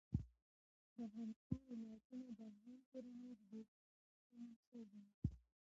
د افغانستان ولايتونه د افغان کورنیو د دودونو مهم عنصر دی.